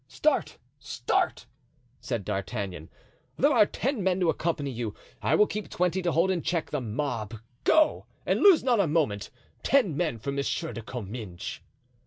"Start, start!" said D'Artagnan. "There are ten men to accompany you. I will keep twenty to hold in check the mob; go, and lose not a moment. Ten men for Monsieur de Comminges."